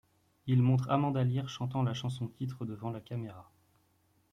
Il montre Amanda Lear chantant la chanson-titre devant la caméra.